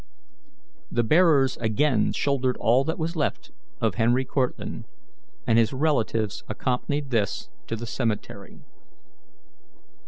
The bearers again shouldered all that was left of Henry Cortlandt, and his relatives accompanied this to the cemetery.